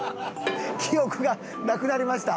記憶がなくなりました。